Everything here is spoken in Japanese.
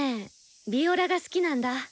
ヴィオラが好きなんだ！